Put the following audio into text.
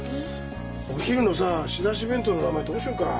お昼のさ仕出し弁当の名前どうしようか？